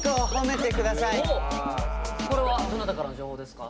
これはどなたからの情報ですか？